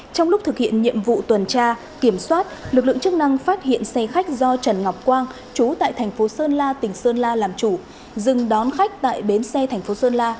trong lúc thực hiện nhiệm vụ tuần tra kiểm soát lực lượng chức năng phát hiện xe khách do trần ngọc quang chú tại thành phố sơn la tỉnh sơn la làm chủ dừng đón khách tại bến xe thành phố sơn la